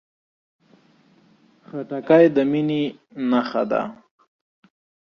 خټکی د مینې نښه ده.